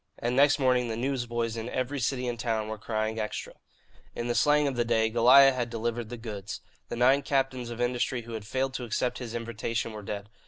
And next morning the newsboys in every city and town were crying "Extra." In the slang of the day, Goliah had delivered the goods. The nine captains of industry who had failed to accept his invitation were dead.